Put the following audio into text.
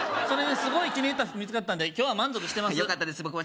それにすごい気に入った服見つかったんで今日は満足してますよかったです